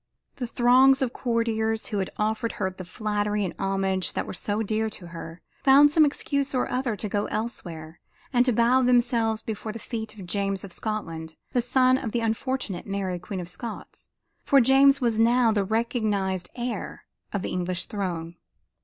The throngs of courtiers who had offered her the flattery and homage that were so dear to her, found some excuse or other to go elsewhere and to bow themselves before the feet of James of Scotland, the son of the unfortunate Mary Queen of Scots, for James was now the recognized heir to the English throne.